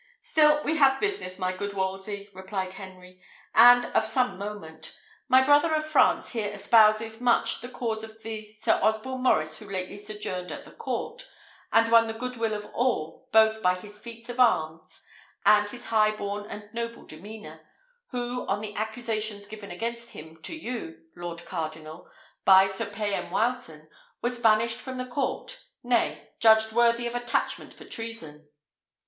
"Still we have business, my good Wolsey," replied Henry, "and of some moment. My brother of France here espouses much the cause of the Sir Osborne Maurice who lately sojourned at the court, and won the good will of all, both by his feats of arms and his high born and noble demeanour; who, on the accusations given against him to you, lord cardinal, by Sir Payan Wileton, was banished from the court; nay, judged worthy of attachment for treason."